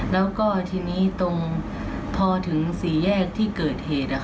แล้วก็ทีนี้ตรงพอถึงสี่แยกที่เกิดเหตุ